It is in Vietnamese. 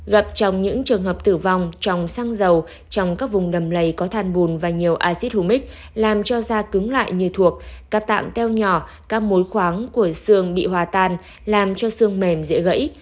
gặp trong những trường hợp tử vong trong xăng dầu trong các vùng đầm lầy có than bùn và nhiều acid humic làm cho da cứng lại như thuộc các tạm teo nhỏ các mối khoáng của xương bị hòa tan làm cho sương mềm dễ gãy